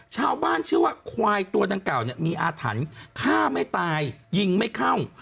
ชาวบ้านเชื่อว่าควายตัวดังกล่าวมีอาถรรพ์ฆ่าไม่ตายยิงไม่เข้า